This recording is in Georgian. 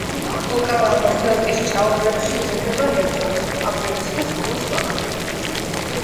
ოკავანგოს დელტის ჭაობებში იზრდება ლერწამი, პაპირუსი და სპილოს ბალახი.